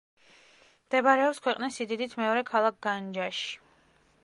მდებარეობს ქვეყნის სიდიდით მეორე ქალაქ განჯაში.